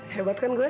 hebat kan gue